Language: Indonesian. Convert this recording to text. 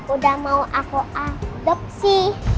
udah mau aku adopsi